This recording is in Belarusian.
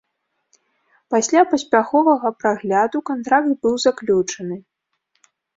Пасля паспяховага прагляду, кантракт быў заключаны.